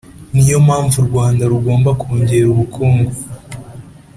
niyo mpamvu u rwanda rugomba kongera ubukungu